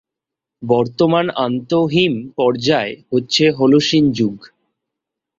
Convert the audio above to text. বর্তমান আন্তঃহিম-পর্যায় হচ্ছে হলোসিন যুগ।